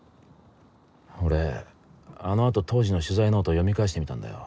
俺あのあと当時の取材ノート読み返してみたんだよ。